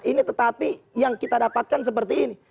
ini tetapi yang kita dapatkan seperti ini